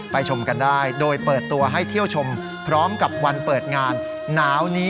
ไปชมกันด้วยเปิดตัวให้เที่ยวชมพร้อมกับวันเปิดงาน